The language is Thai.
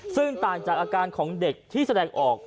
ซึ่งต่างจากอาการของเด็กที่แสดงออก